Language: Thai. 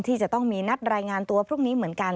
ที่จะต้องมีนัดรายงานตัวพรุ่งนี้เหมือนกัน